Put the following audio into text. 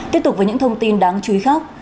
tiếp tục với những thông tin đáng chú ý khác